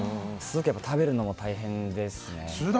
食べるのも大変ですね。